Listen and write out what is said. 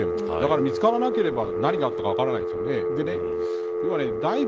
だから、見つからなければ何があったか分からないんですよね。